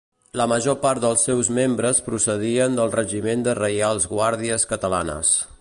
La major part dels seus membres procedien del Regiment de Reials Guàrdies Catalanes.